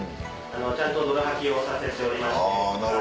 ちゃんと泥吐きをさせておりまして。